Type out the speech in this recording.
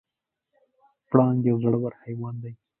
پړانګ یو زړور حیوان دی.